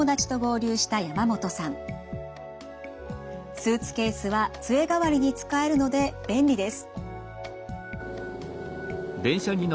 スーツケースは杖代わりに使えるので便利です。